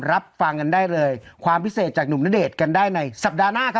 รับฟังกันได้เลยความพิเศษจากหนุ่มณเดชน์กันได้ในสัปดาห์หน้าครับ